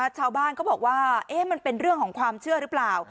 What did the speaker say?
ชาวบ้านก็บอกว่ามันเป็นเรื่องของความเชื่อหรือเปล่า